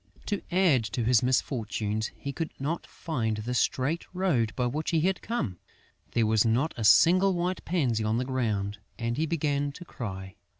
To add to his misfortunes, he could not find the straight road by which he had come. There was not a single white pansy on the ground; and he began to cry.